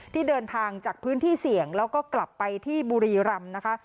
ที่เดินทางจากพื้นที่เสี่ยงแล้วก็กลับไปที่บุรีรำนะคะ